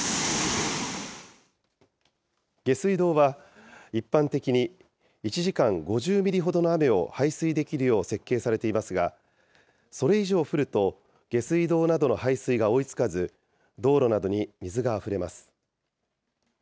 下水道は、一般的に、１時間５０ミリほどの雨を排水できるよう設計されていますが、それ以上降ると下水道などの排水が追いつかず、道路などに水があふれます。